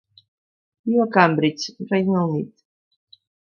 Viu a Cambridge, Regne Unit.